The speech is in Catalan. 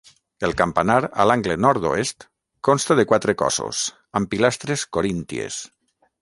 El campanar, a l'angle nord-oest, consta de quatre cossos, amb pilastres corínties.